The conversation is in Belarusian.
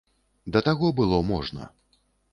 Да таго было можна.